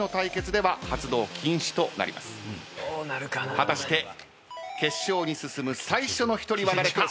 果たして決勝に進む最初の１人は誰か？